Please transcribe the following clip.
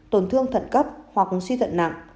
tổn thương thận cấp hoặc suy thận nặng